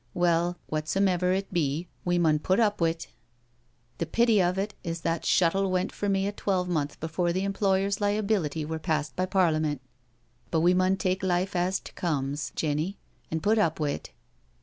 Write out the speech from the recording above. " Well, whatsomever it be, we mun put IN THE BLACK COUNTRY 7 *up wi't. The pity of it is that shuttle went for me a twelve month before the Employers* Liability were passed by Parliament — ^but we mun tak' life as 't comes, Jenny, an' put up wi't."